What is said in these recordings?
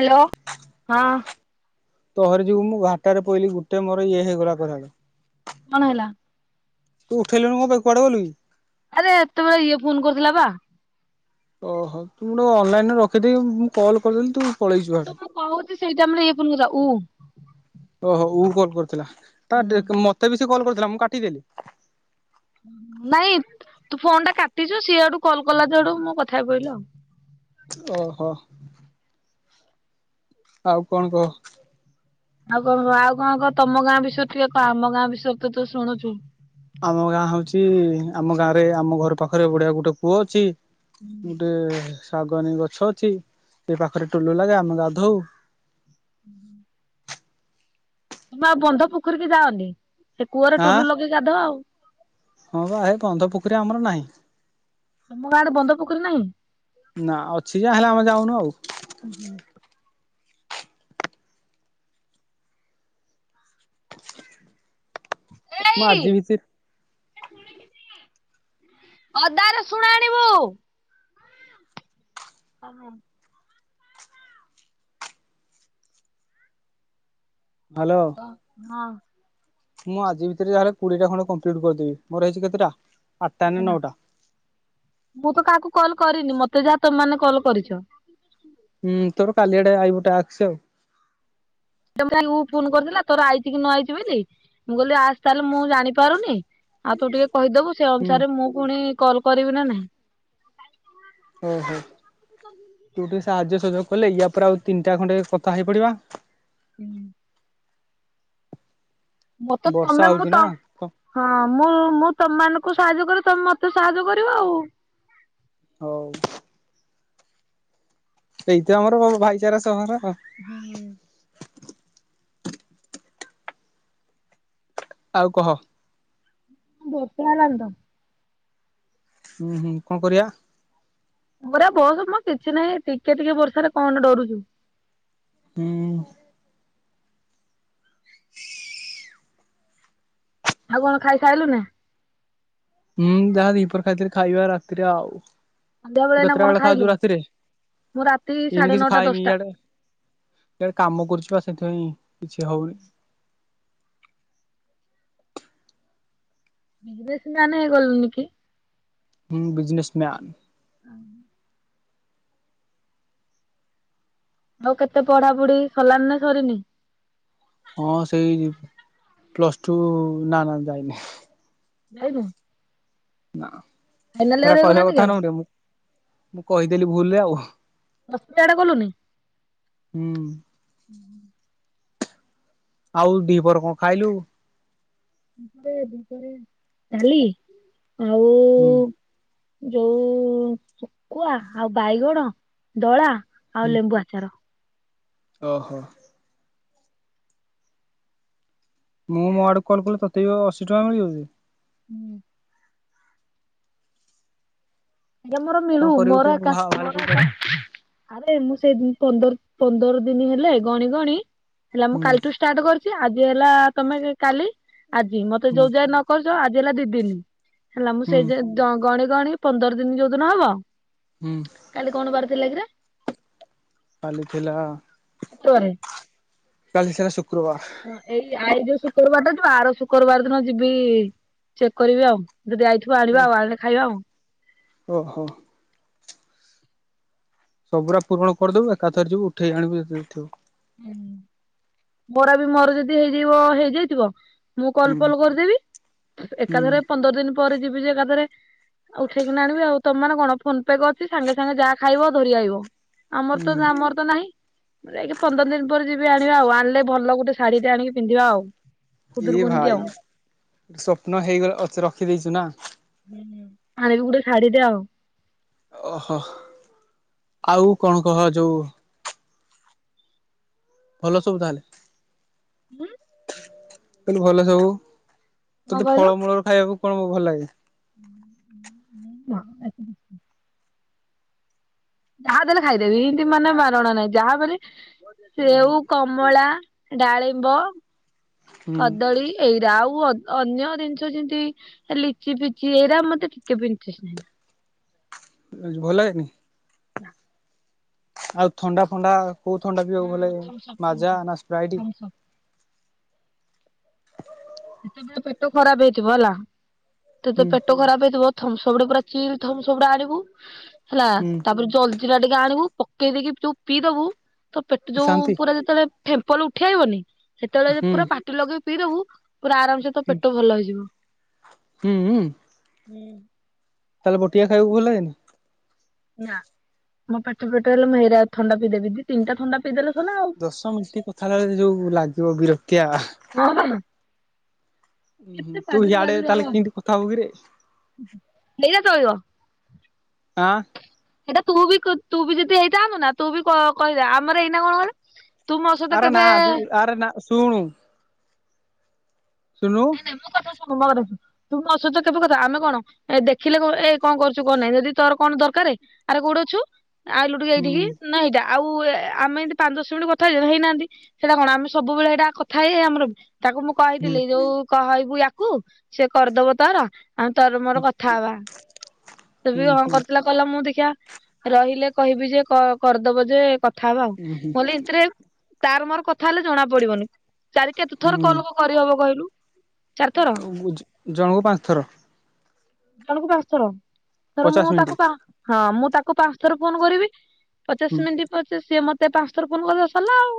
Hello ହଁ। ତୋହରେ ଯୋଉ ମୁଁ ଘାଟରେ ପଇଲି ଗୋଟ ମୋର ଇଏ ହେଇଗଲା କଣ ହେଲା? ତୁ ଉଠେଇଲୁନୁ କଣ ପାଇଁ କୁଆଡେ ଗଲୁ କି? ଆରେ ଏତେବେଳେ ଇଏ ଫୋନ କରିଥିଲା ପା। ଓହୋ ତୁ ଗଟେ ଅନଲାଇନ ରେ ରଖିଦେଇକି ମୁଁ କଲ କରିଦେଲି ତୁ ପଳେଇଛୁ ତ ହିଆଡ଼େ। ମୁଁ କହୁଛି ସେଇଟାମରେ ଇଏ ଫନ୍ କରଥିଲା ଉ ଓହୋ ଉ କଲ୍ କରିଥିଲା ତା ମତେ ବି ସେ କଲ୍ କରିଥିଲା ମୁଁ କାଟିଦେଲି। ନାଇଁ ତୁ ଫୋନ୍ ଟା କାଟିଛୁ ସିଏ ଆଡୁ କଲ୍ କଲା ଯେଆଡୁ ମୋ କଥାହେଇ ପଇଲି ଆଉ। ଓହୋ ଆଉ କଣ କହ? ଆଉ କଣ କହ ଆଉ କଣ କହ ତମ ଗାଁ ବିଷୟରେ ଟିକେ କଣ ଆମ ଗାଁ ବିଷୟରେ ତୁ ଶୁଣୁଚୁ। ଆମ ଗାଁ ହଉଛି ଆମ ଗାଁ ରେ ଆମ ଘର ପାଖରେ ବଡିଆ ଗୋଟେ କୁଅ ଅଛି। ଗୋଟେ ଶାଗନୀ ଗଛ ଅଛି ସେ ପାଖରେ ଟୋଲ ଲାଗେ ଆମେ ଗାଧଉ। [inaudible] ତମେ ଆଉ ବନ୍ଧ ପୋଖରୀ କି ଯାଅନି ସେ କୂଅରେ ଆଁ ଟୁଲୁ ଲଗେଇି ଗାଧ ଆଉ। ହଁ ବା ଏ ବନ୍ଧ ପୋଖରୀ ଆମର ନାହିଁ। ତମ ଗାଁ ଆଡେ ବନ୍ଧ ପୋଖରୀ ନାହିଁ? ନା ଅଛି ଯା ହେଲେ ଆମେ ଯାଉନୁ ଆଉ। ଉଁ ହୁଁ ମୁଁ ଏଇ ଆଜି ଭିତରେ ଅଦା ରଶୁଣ ଆଣିବୁ। ଅ ହଁ ହାଲୋ ହଁ ମୁଁ ଆଜି ଭିତରେ ଯାହେଲେ କୋଡିଏଟା ଖଣ୍ଡେ କମ୍ପ୍ଲିଟ କରିଦେବି ମୋର ହେଇଛି କେତେଟା ଆଠଟା ନା ନଅଟା। ମୁଁ ତ କାହାକୁ କଲ କରିନି ମତେ ଯାହା ତମମାନେ କଲ୍ କରିଚ। ହୁ ତୋର କାଲିଆଡେ ଆଇବ ଟ୍ୟାକ୍ସ ଆଉ। ଉ ଫୋନ କରିଥିଲା ତୋର ଆଇଛି କି ନ ଆଇଛି ବୋଲି। ମୁଁ କହିଲି ଆସି ତାହେଲେ ମୁଁ ଜାଣି ପାରୁନି ଆଉ ତୁ ଟିକେ କହିଦବୁ। ସେ ହୁଁ। ଅନୁସାରେ ମୁଁ ପୁଣି କଲ କରିବି ନା ନାହିଁ। ଓହୋ ତୁ ଟିକେ ସାହାଯ୍ୟ ସହଯୋଗ କଲେ ଇୟା ପରେ ଆଉ ତିନିଟା ଖଣ୍ଡେ କଥା ହେଇ ପଡିବା। ଉଁ ମତେ ବର୍ଷା ତମେ ମୁଁ ହଉଛି ନା ତ ହଁ ମୁଁ ମୁଁ ତମମାନଙ୍କୁ ସାହାଯ୍ୟ କରିବି ତମେ ମତେ ସାହାଯ୍ୟ କରିବ ଆଉ। ହଉ। ସେଇତ ଆମର ଭାଇଚାରା ସହର ହୁଁ ଆଉ କହ। ବର୍ଷା ହେଲାଣି ତ। ହୁଁ ହୁଁ କଣ କରିବା? ମୋରା ବସ ମଁ କିଛି ନାହିଁ ଟିକେ ଟିକେ ବର୍ଷାରେ କଣ ଡରୁଚୁ। ହୁଁ [inaudible] ଆଉ କଣ ଖାଇ ସାଇଲୁ ନା? ହୁଁ ଯାହା ଦିପର ଖାଇଥିଲି ଖାଇବା ରାତିରେ ଆଉ। ସନ୍ଧ୍ୟା ତୁ ଏଇନା କେତେଟା କଣ ବେଳେ ଖାଉଛୁ ଖାଇଲୁ ରାତିରେ, ମୁଁ ରାତି ଏଇନି ସାଢେ କିଛି ନଅଟା ଖାଇନି ଦଶଟା ଇଆଡେ। ଆଡେ କାମ କରୁଛି ବା ସେଇଥିପାଇଁ କିଛି ହଉନି। ବିସ୍ ମ୍ୟାନ୍ ହେଇଗଲୁନି କି? ହୁଁ ବିଜନେସମ୍ୟାନ୍। [inaudible] ଆଉ କେତେ ପଢା ପଢି ସଲାନି ନା ସରିନି? ହଁ ସେଇ ପ୍ଲସ ଟୁ ନା ନା ଯାଇନି। ଯାଇନୁ। ନା ଫାଇନାଲ ସେରା ଇୟର କହିବା ହେଇଗଲାନି କି କଥା ଆଉ ନୁହନି ମୁଁ କହିଦେଲି ଭୁଲରେ ଆଉ। ସସ୍ ପ୍ୟାଡ କଲୁନି। ହୁଁ। [inaudible] ଆଉ ଦିପହର କଣ ଖାଇଲୁ? କାଲି। ଆଉ ହୁଁ। ଯୋଉ ଶୁକୁଆ ଆଉ ବାଇଗଣ ଦଳା, ହୁଁ ଆଉ ଲେମ୍ବୁ ଆ ଚାର। ଓହୋ। ମୁଁ ମୋ ଆଡୁ କଲ କଲେ ତତେ ବି ଅ ଅଶି ଟଙ୍କା ମିଳିବ ଯେ। ହୁଁ। ୟେ ମୋର ମି କଣ କରିବୁ ତୁ ଭା ଭା ଆରେ ମୁଁ ସେଇ ପନ୍ଦର ପନ୍ଦର ଦିନ ହେଲେ, ଗଣି ଗଣି ହେଲା ମୁ କାଲିଠୁ ଷ୍ଟାର୍ଟ କରିଛି, ଆଜି ହେଲା ତମେ କାଲି ଆଜି ମତେ ହୁଁ ଯୋଉ ଯାଏ ନ କରୁଛ ଆଜି ହେଲା ଦି ଦିନ, ହେଲା ମୁଁ ହୁଁ ସେ ଗଣି ଗଣି ପନ୍ଦର ଦିନ ଯୋଉଦିନ ହବ। ହୁଁ। କାଲି କଣ ବାର ଥିଲା କିରେ? କାଲିଥିଲା ଶୁକ୍ରୁ ବାରେ। କାଲି ଥିଲା ଶୁକ୍ରବାର। ହଁ ଏଇ ଆଇ ଯୋଉ ଶୁକ୍ରବାର ଟା ଯିବ, ଆର ଶୁକ୍ରବାର ଦିନ ଯିବି ଚେକ୍ କରିବି ଆଉ, ଯଦି ଆଇଥିବ ଆଣିବା ଆଉ ଆଣିଲେ ଖାଇବା ଆଉ। ଓହୋ। ସବୁରା ପୂରଣ କରିଦବୁ ଏକାଥରେ ଯିବୁ ଉଠେଇ ଆଣିବୁ ଯେତିକି ଥିବ। ମୋରା ବି ମୋର ଯଦି ହେଇଯିବ ହେଇଯାଇଥିବ। ମୁଁ ହୁଁ କଲଫଲ କରିଦେବି, ହୁଁ ଏକାଥରେ ପନ୍ଦର ଦିନ ପରେ ଯିବି ଯେ ଏକାଥରେ ଆ ଉଠେଇକି ଆଣିବି ଆଉ, ତମାନେ କଣ ଫୋନ ପେ କରିଛି ସାଙ୍ଗେ ସାଙ୍ଗେ ଯାହା ଖାଇବ ଧରି ଆଇବ। ଆମର ତ ହୁଁ ଆମର ତ ନାହିଁ। ଯାଇକି ପନ୍ଦର ଦିନ ପରେ ଯିବି ଆଣିବା ଆଉ। ଆଣିଲେ ଭଲ ଗୋଟେ ଶାଢୀଟେ ଆଣିକି ପିନ୍ଧିବା ଆଉ। ଏଇ ଖୁଦୁରୁକୁଣୀ କି ଭାଇ ଆଉ। ସ୍ଵପ୍ନ ହେଇଗଲା ଅଚେ ରଖିଦେଇଚୁ ନା। ଆଣିବି ଗୋଟେ ଶାଢ଼ୀ ଟେ ଆଉ। ଓହୋ ଆଉ କଣ କହ ଯୋଉ ଭଲ ସବୁ ତାହେଲେ। ହୁଁ। ମୁଁ କହିଲି ଭଲ ସବୁ କଣ ତୋତେ ଫଳମୂଳର ଖାଇବାକୁ କଣ ଭଲ ଲାଗେ। [inaudible] ଯାହା ଦେଲେ ଖାଇଦେବି ଏମତି ମାନେ ବାରଣ ନାହିଁ ଯାହା ଦେଲେ ସେଉ କମଳା ଡାଳିମ୍ବ ହୁଁ। କଦଳୀ। ଏଇରା ଆଉ ଅ ଅନ୍ୟ ଜିନିଷ ଯେମତି ଲିଚି ଫିଚି ଏଇରା ମତେ ଟିକେ ବି ଇଣ୍ଟ୍ରେଷ୍ଟ ନାହିଁ। ଭଲ ଲାଗେନି। [inaudible] ଆଉ ଥଣ୍ଡା ଫଣ୍ଡା କୋଉ ଥଣ୍ଡା ପିଇବାକୁ ଭଲ ହଁ ଲାଗେ ଥମ୍ସଅପ୍ ମାଜା ଥମ୍ସଅପ୍ ନା ସ୍ପ୍ରାଇଟ। ଥମ୍ସଅପ୍। ଯେତେବେଳେ ପେଟ ଖରାପ ହେଇଥିବ ହେଲା ହୁଁ ସେତ ପେଟ ଖରାପ ହେଇଥିବ ଥମସମଟେରେ ପୁରା ଚିଲ୍ଳ ଥମସମଟେ ଆଣିବୁ ହେଲା ହୁଁ ତାପରେ ଜଲଜିରା ଟିକେ ଆଣିବୁ ପକେଇ ଦେଇକି ଯୋଉ ପିଇଦବୁ ତୋ ପେଟ ଯୋଉ ଶାନ୍ତି ପୁରା ଯେତେବେଳେ ଫେମ୍ପଲ ଉଠେଇବନି ସେତେବେଳେ ଯଦି ହୁଁ ପୁରା ପାଟି ଲଗେଇକି ପିଇଦବୁ ପୁରା ଆରାମସେ ତୋ ପେଟ ଭଲ ହେଇଯିବ। ହୁଁ। ହୁଁ। ତାହେଲେ ବଟିକା ଖାଇବାକୁ ଭଲ ଲାଗେନି। ନା ମୋ ପେଟ ଫେଟ ହେଲେ ଓହୋ। ମୁଁ ହେରା ଥଣ୍ଡା ପିଇଦେବୀ ଦି ତିନିଟା ଥଣ୍ଡା ପିଇଦେଲେ ସରିଲା ଆଉ। ଦଶ ମିନିଟ କଥା ହେଲାବେଳେ ଯୋଉ ଲାଗିବ ବିରକ୍ତିଆ। [unintelligible] ଉୁଁ ହୁଁ ତୁ ହିଆଡେ ତାହେଲେ କେମିତି କଥା ହଉ କିରେ। ନେଇଆ ଚଲିବ। ଆଁ।। ସେଇଟା ତୁ ବି ତୁ ବି ଯଦି ହେଇଥାନ୍ତୁ ନା ତୁ ବି କହେ କହିଦେ ଆମର ଏଇନା କଣ କ ତୁ ମୋ ସହିତ ଆରେ ନା କେବେ ତୁ ଆରେ ନା ଶୁଣୁ ସୁୁଣୁନୁ। [unintelligible] ତୁ ମୋ ସହିତ କେବେ କଥା ଆମେ କଣ ଏ ଦେଖିଲେ ଏ କଣ କରଛୁ କଣ ନାହିଁ ଯଦି ତୋର କଣ ଦରକାରେ ଆରେ କୋଉଠି ଅଛୁ ଆଇଲୁ ଟିକେ ହୁଁ ଏଇଠିକି। ନା ଏଇଟା ଆଉ ଆମେ ଏମିତି ପାଞ୍ଚ ଦଶ ମିନିଟ୍ କଥା ହେଇନାହାନ୍ତି। ସେଇଟା କଣ ଆମେ ସବୁବେଳେ ହେଇଟା କଥା ହେଇ ହେଇ ଆମର ତାକୁ ମୁ ହୁଁ କହିଥିଲି ଯୋଉ କହିବୁ ୟାକୁ ସେ କରିଦବ ତାର। ଆଉ ତୋର ମୋର କଥା ହବା ସେ ବି ହଁ ହୁଁ କରୁଥିଲା। କଲା ମୁଁ ଦେଖିଆ ରହିଲେ କହିବି ଯେ କରିଦବ ଯେ କ କଥା ହବା ଆଉ ହୁଁ ନହେଲେ ଏତିରେ ତାର ମୋର କଥା ହେଲେ ଜଣା ପଡିବନି ଚାରି କେତେ ଥର କଲ କରିହବ କହିଲୁ। ଜଣଙ୍କୁ ପାଞ୍ଚ ଥର। ଜଣକୁ ପାଞ୍ଚ ଥର ଧର ପଚାଶ ମୁଁ ମିନିଟ୍ ତାକୁ ପାଁ ହଁ ମୁଁ ତାକୁ ପାଞ୍ଚ ଥର ଫୋନ କରିବି। ହୁଁ ପଚାଶ ମିନିଟ୍ ପଚା ସିଏ ମତେ ପାଞ୍ଚ ଥର ଫୋନ୍ କରିଦବ ସରିଲା ଆଉ।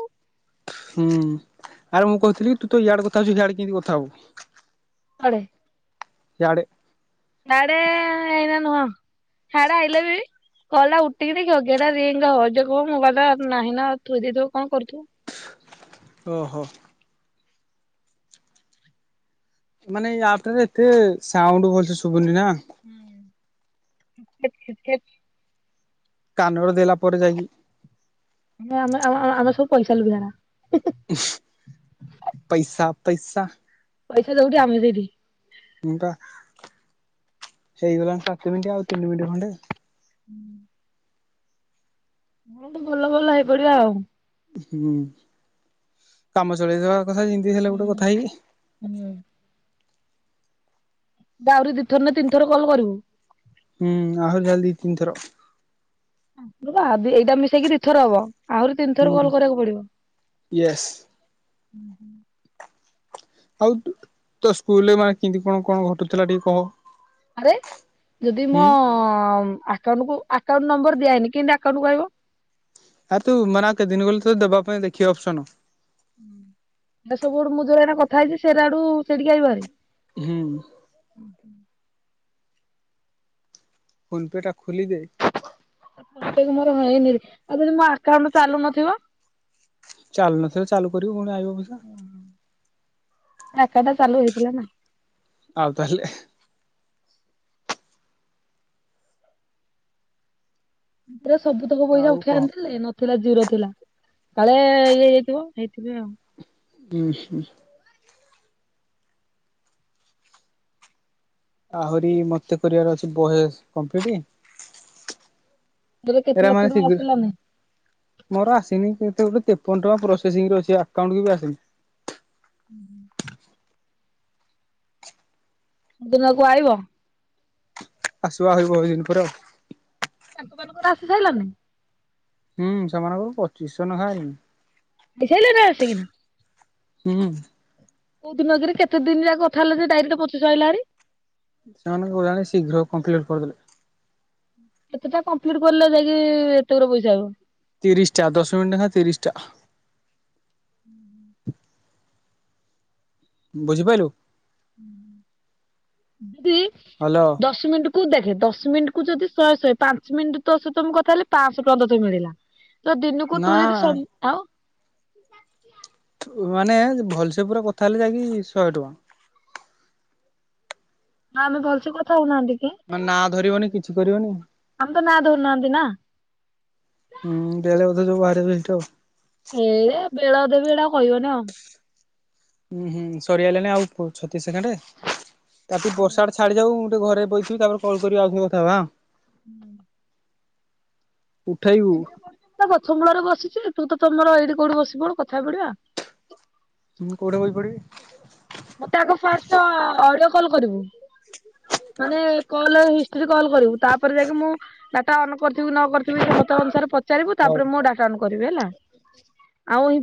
ହୁଁ ଆରେ ମୁଁ କହୁଥିଲି ତୁ ତ ଇଆଡେ କଥା ହଉଛୁ ହିଆଡେ କେମିତି କଥା ହବୁ। କୁଆଡେ। ହିଆଡେ। ହିଆଡେ ଏଇନା ନୁହଁ ହିଆଡେ ଆଇଲେ ବି କଲଟା ୱେଟିଙ୍ଗ ଦେଖେବ କି ଏଟା ରିଙ୍ଗ ହବ ଯିଏ କହିବ ମୋବାଇଲ ନାହି ନା ଥୋଇ ଦେଇଥିବ କଣ କରୁଥୁବ। ଓହୋ। ମାନେ ଏ ଆପଟା ରେ ଏତେ ସାଉଣ୍ଡ ଭଲସେ ଶୁଭୁନି ନା? ହୁଁଉଁ କାନ ରେ ଦେଲା ପରେ ଯାଇକି ଆମେ ଆମେ ଆ ସବୁ ପଇସା ଲୋଭୀ ଗୁରା। ପଇସା ପଇସା। ପଇସା ଯୋଉଠି ଆମେ ସେଇଠି। ହୁଁ ପା ସେଇଗଲା ସାତ ମିନିଟ ଆଉ ତିନି ମିନିଟ ଖଣ୍ଡେ। ହୁଁ। ହେନ୍ତି ଭଲ ଭଲ ହେଇପଡିବ ଆଉ। ହୁଁ କାମ ଚଳେଇଦବା କଥା। ହେଲେ ଗୋଟେ କଥା ହୁଁ ହେଇକି ହୁଁ ବା ଆହୁରି ଦି ଥର ନା ତିନିଥର କଲ କରିବୁ? ହୁଁ ଆହୁରି ଯାଇ ଦି ତିନି ଥର। ଏଇଟା ମିଶେଇକି ଦିଥର ହବ, ଆହୁରି ତିନିଥର କଲ କରିବାକୁ ପଡିବ। ୟେସ। ଉଁ ହୁ ଆଉ ତୋ ସ୍କୁଲରେ ମାନେ କେମତି କଣ କଣ ଘଟୁଥିଲା, ଟିକେ କହ? ଆରେ ଯଦି ମୋ ହୁଁ। ଆକାଉଣ୍ଟକୁ ଆକାଉଣ୍ଟ ନମ୍ବର ଦିଆହେଇନି, କେମତି ଆକାଉଣ୍ଟ ଆଇବ? ଆରେ ତୁ ମାନେ କେତେ ଦିନ ଗଲେ ତ ଦେବା ପାଇଁ ଦେଖିବ ଅପସନ। ହୁଁ ଏ ସବୁ ମୁଁ ଯୋଉ କଥା ହେଇଛି, ସେଟାଡୁ ସେଠିକି ଆଇବବାରି। ହୁଁ ଉଁ ଫୋନ୍ ପେ ଟା ଖୋଲିଦେ। ଫୋନ ପେ କୁ ମୋର ହେଇନିରେ, ଆଉ ଯଦି ମୋ ଆକାଉଣ୍ଟ ଚାଲୁ ନଥିବ? ଚାଲୁ ନଥିଲେ, ଚାଲୁ କରିବୁ, ପୁଣି ଆଇବ ପଇସା। ଏକାଉଣ୍ଟଟା ଚାଲୁ ହେଇଥିଲା ନା। ଆଉ ତାହାଲେ। ମୁଁ ପୁରା ସବୁ ତକ ପଇସା ଆଉ ଉଠେଇ କହ ଆଣିଥିଲି, ନ ଥିଲା ଜିରୋ ଥିଲା, କାଳେ ଇଏ ହେଇଥିବ, ହେଇଥି ପାଇଁ ଆଉ। ହୁଁ ହୁଁ। ଆହୁରି ମତେ କରିବାର ଅଛି, ବଏସ କମ୍ପଲିଟ୍। ତୋର କେତେ ଏରା ଲକ୍ଷ ମା ଟଙ୍କା [unintelligible] ଆସିଲାନି ମୋର ଆସିନି କେତେ ଗୋଟେ ତେପନ ଟଙ୍କା ପ୍ରୋସେସିଂରେ ଅଛି, ଆକାଉଣ୍ଟକୁ ବି ଆସିନି। ଉଁ ହୁଁ ଦିନକୁ ଆଇବ? ଆସିବ ଆଉ ବହୁଦିନ ପରେ ଆଉ ତାଙ୍କ ମାନଙ୍କର ଆସି ସାଇଲା ନାଇ? ହୁଁ ସେମାନଙ୍କର ପଚିଶହ ନେଖା ଆଇ [unintelligible] ଆସି କି ନା। ହୁଁ ଉଁ କୋଉ ଦିନଗିରେ କେତେ ଦିନି ଯାଏ କଥା ହେଲେ ଯେ ଡାଇରେକ୍ଟ ପଚିଶ ଆଇଲାଭାରି। ସେମାନଙ୍କୁ ଜା ଶୀଘ୍ର କମ୍ପ୍ଲିଟ କରିଦେଲେ। କେତେଟା କମ୍ପ୍ଲିଟ କଲେ ଯାଇକି ଏତେଗୁରା ପଇସା ଆଇବ? ତିରିଶି ଟା, ଦଶ ମିନଟ ନେଖା ତିରିଶଟା। ଉଁ ହୁ ବୁଝିପାଇଲୁ? ଦିଦି। ହାଲୋ। ଦଶ ମିନିଟ୍ କୁ ଦେଖେ ଦଶ ମିନିଟ୍କୁ ଯଦି ଶହେ ଶହେ, ପାଞ୍ଚ ମିନିଟ୍ ତୋ ସହ ମୁଁ କଥା ହେଲି, ପାଁଶହ ତୋତେ ମିଳିଲା। ତ ଦିନକୁ ନା ତୁ ଯଦି ସ ଆଉ ମାନେ ଭଲସେ ପୁରା କଥା ହେଲେ ଯାଇକି ଶହେ ଟଙ୍କା। ନା ଆମେ ଭଲସେ କଥା ହଉନାହାନ୍ତି କି? ମାନେ ନା ଧରିବନି କିଛି କରିବନି। ଆମ ତ ନାଁ ଧରୁନାହାନ୍ତି ନା। ହୁଁ ବେଳେ ବୋଧେ ଯୋଉ ବାହାରି ଯାଉଚି ଆଉ। ଏଇ ବେଳ ଅଧେ ବି କହିବାନି ଆଉ ହୁଁ ହୁଁ ସରିଆଇଲାଣୀ ଆଉ ଛତିଶ ସେକେଣ୍ଡ, ତାପ ବର୍ଷା ଛାଡି ଯୋଉ ମୁ ଗୋଟେ ଘରେ ବଇଥିବି ତାପରେ କଲ କରିବି ଆଉଥରେ କଥାବା। ହୁଁ ଉଠେଇବୁ ଗଛ ମୂଳରେ ବସିଛି ତୁ ତମର ଏଇଠି କୋଉଠି ବସିିବ ପଡ କଥା ହେଇ ପଡିବା। ମୁଁ କୋଉଠି ବ ପଡିବି। ମତେ ଆଗ ଫାଷ୍ଟ ଅଡିଓ କଲ୍ କରିବୁ। ମାନେ କଲ ହିଷ୍ଟି କଲ୍ କରିବୁ ତାପରେ ଯାଇକି ମୁଁ ଡାଟା ଅନ କରିଥିବି ନ କରିଥିବି ସେ ମତେ ଅନୁସାରେ ପଚାରିବୁ ହଉ। ତାପରେ ମୁଁ ଡାଟା ଅନୁ କରିବି ହେଲା ଆଉ